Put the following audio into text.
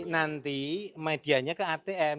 nanti medianya ke atm